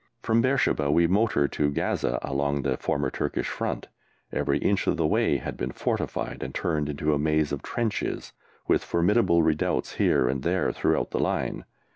From Beersheba we motored to Gaza along the former Turkish front; every inch of the way had been fortified and turned into a maze of trenches, with formidable redoubts here and there throughout the line.